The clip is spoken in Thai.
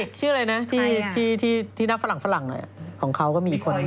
อีกคนชื่ออะไรนะที่นักฝรั่งเลยของเขาก็มีอีกคน